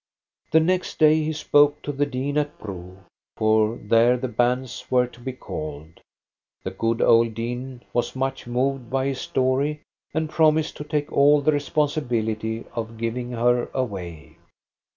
The next day he spoke to the dean at Bro, for there the banns were to be called. The good old dean was much moved by his story, and promised to take all the responsibility of giving her away.